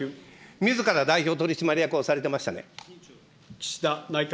みずから代表取締役をされてましたね。